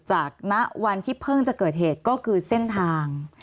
ณวันที่เพิ่งจะเกิดเหตุก็คือเส้นทาง